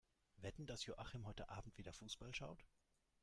Wetten, dass Joachim heute Abend wieder Fussball schaut?